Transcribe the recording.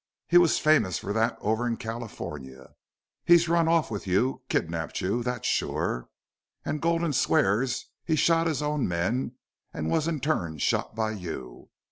He was famous fer thet over in California. He's run off with you kidnapped you, thet's shore.... An' Gulden swears he shot his own men an' was in turn shot by you.